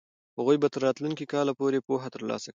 هغوی به تر راتلونکي کاله پورې پوهه ترلاسه کړي.